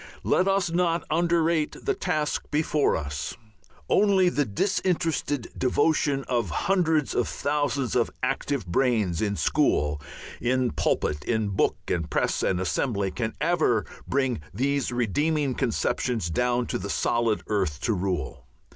Let us not underrate the task before us. Only the disinterested devotion of hundreds of thousands of active brains in school, in pulpit, in book and press and assembly can ever bring these redeeming conceptions down to the solid earth to rule.